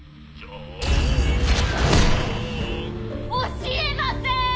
教えません！